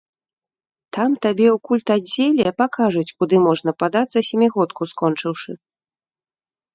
Там табе ў культаддзеле пакажуць, куды можна падацца, сямігодку скончыўшы.